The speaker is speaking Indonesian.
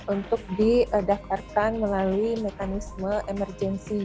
untuk didaftarkan melalui mekanisme emergency health